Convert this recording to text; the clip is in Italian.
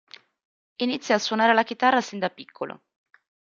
Inizia a suonare la chitarra sin da piccolo.